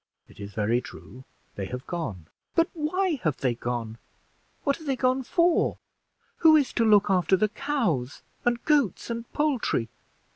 "It is very true; they have gone." "But why have they gone? What have they gone for? Who is to look after the cows, and goats, and poultry?